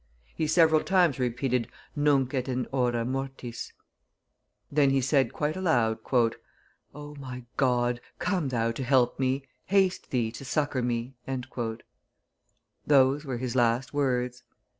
He several times repeated, Nunc et in hora mortis. Then he said, quite loud, "O, my God, come Thou to help me, haste Thee to succor me." Those were his last words.